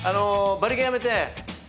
バリカンやめて。